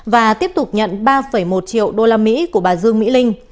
và tiếp tục nhận ba một triệu đô la mỹ của bà dương mỹ linh